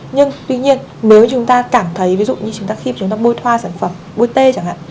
nhưng tuy nhiên nếu chúng ta cảm thấy ví dụ như chúng ta khi mà chúng ta bôi thoa sản phẩm bôi tê chẳng hạn